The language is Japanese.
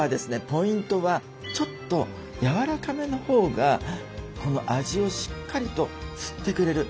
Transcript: ポイントはちょっとやわらかめのほうがこの味をしっかりと吸ってくれる。